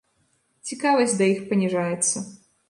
Цікавасць да іх паніжаецца.